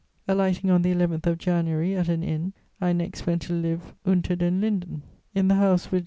Alighting on the 11th of January at an inn, I next went to live Unter den Linden, in the house which M.